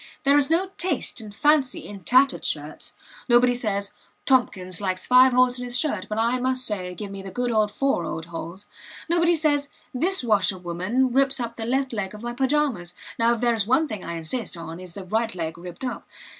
There is no taste and fancy in tattered shirts. Nobody says, "Tompkins likes five holes in his shirt, but I must say, give me the good old four holes." Nobody says, "This washerwoman rips up the left leg of my pyjamas; now if there is one thing I insist on it is the right leg ripped up."